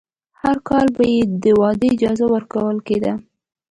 هر کال به یې د واده اجازه ورکول کېده.